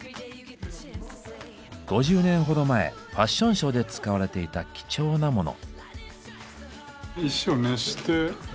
５０年ほど前ファッションショーで使われていた貴重なモノ。